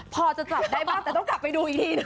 พอจะกลับได้บ้างแต่ต้องกลับไปดูอีกทีหนึ่ง